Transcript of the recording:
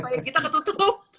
kayak kita ketutup